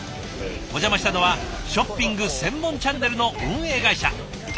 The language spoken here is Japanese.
お邪魔したのはショッピング専門チャンネルの運営会社。